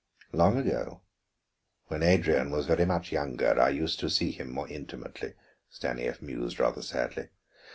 "Long ago, when Adrian was very much younger, I used to see him more intimately," Stanief mused rather sadly.